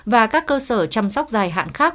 và các cơ sở chăm sóc dài hạn khác